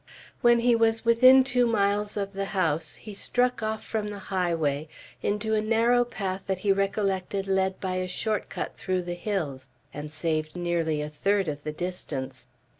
When he was within two miles of the house, he struck off from the highway into a narrow path that he recollected led by a short cut through the hills, and saved nearly a third of the distance.